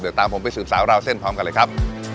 เดี๋ยวตามผมไปสืบสาวราวเส้นพร้อมกันเลยครับ